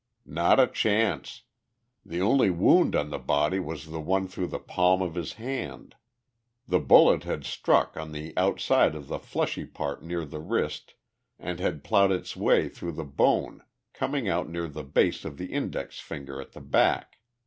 "Not a chance! The only wound on the body was the one through the palm of his hand. The bullet had struck on the outside of the fleshy part near the wrist and had plowed its way through the bone, coming out near the base of the index finger at the back.